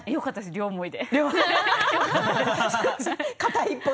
両思いで。